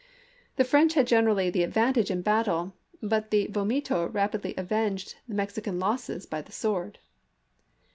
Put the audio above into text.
The French had generally the advantage in battle, but the vomito rapidly avenged the Mexican losses by the sword.